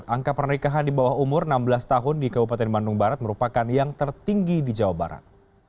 angka pernikahan di bawah umur enam belas tahun di kabupaten bandung barat merupakan yang tertinggi di jawa barat